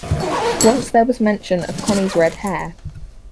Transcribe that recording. Once there was mention of Connie’s red hair.